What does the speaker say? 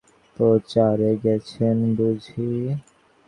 প্রচারে গেছেন বুঝি?